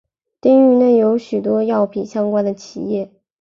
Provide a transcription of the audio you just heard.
町域内有许多药品相关的企业。